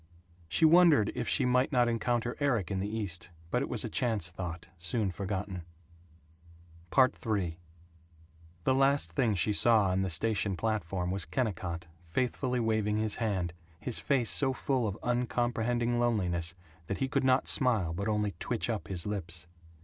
She wondered if she might not encounter Erik in the East but it was a chance thought, soon forgotten. III The last thing she saw on the station platform was Kennicott, faithfully waving his hand, his face so full of uncomprehending loneliness that he could not smile but only twitch up his lips.